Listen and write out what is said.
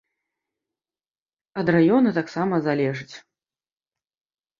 Ад раёна таксама залежыць.